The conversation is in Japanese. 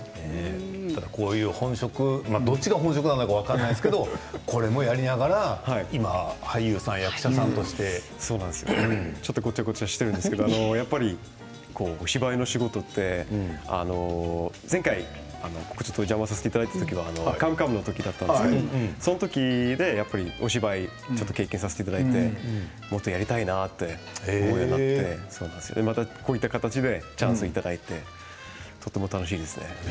どっちが本職か分からないですけどこれもやりながら今は俳優さん役者さんとしても。ちょっとごちゃごちゃしてるんですけどやっぱり、お芝居の仕事ってここにお邪魔させていただいた時は「カムカムエヴリバディ」の時でしたけれどその時にお芝居を経験させていただいてもっとやりたいなと思ってまたこういった形でチャンスをいただいて、とても楽しいです。